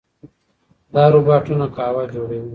دا روباټونه قهوه جوړوي.